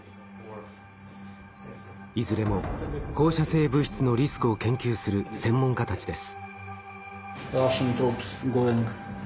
いずれも放射性物質のリスクを研究する専門家たちです。